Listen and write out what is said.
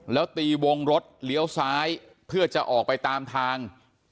แล้วตีวงรถเลี้ยวซ้ายเพื่อจะออกไปตามทาง